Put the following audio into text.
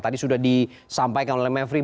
tadi sudah disampaikan oleh mevri